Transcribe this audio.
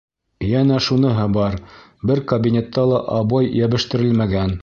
Йәнә шуныһы бар: бер кабинетта ла обой йәбештерелмәгән.